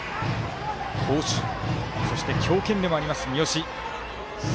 好守、そして強肩でもある三好。